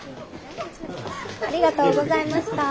ありがとうございます。